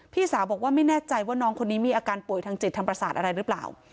พี่สาวบอกว่าไม่แน่ใจว่าน้องคนนี้มีอาการป่วยทางจิตทางประสาทอะไรหรือเปล่า